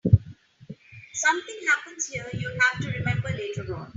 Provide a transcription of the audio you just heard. Something happens here you'll have to remember later on.